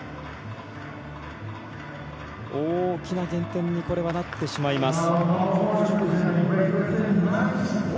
大きな減点になってしまいます。